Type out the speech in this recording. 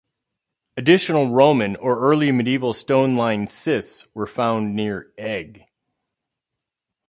Additional Roman or early medieval stone lined cists were found near Egg.